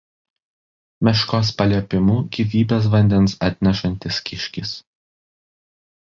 Meškos paliepimu gyvybės vandens atnešantis kiškis.